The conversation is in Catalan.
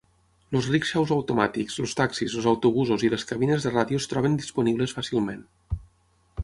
Els rickshaws automàtics, els taxis, els autobusos i les cabines de ràdio es troben disponibles fàcilment.